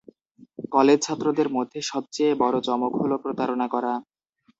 College ছাত্রদের মধ্যে সবচেয়ে বড় চমক হল প্রতারণা করা।